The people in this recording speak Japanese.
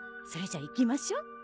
それじゃ行きましょう。